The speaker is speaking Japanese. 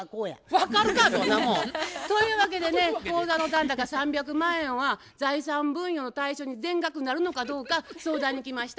分かるかそんなもん！というわけでね口座の残高３００万円は財産分与の対象に全額なるのかどうか相談に来ました。